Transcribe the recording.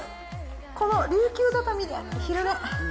この琉球畳で昼寝。